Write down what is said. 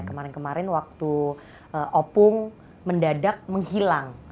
kemarin kemarin waktu opung mendadak menghilang